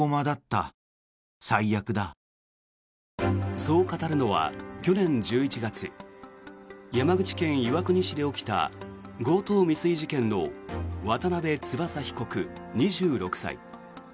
そう語るのは、去年１１月山口県岩国市で起きた強盗未遂事件の渡邊翼被告、２６歳。